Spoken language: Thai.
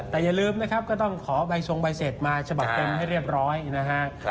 แต่อย่าลืมนะครับก็ต้องขอใบทรงใบเสร็จมาฉบับเต็มให้เรียบร้อยนะฮะ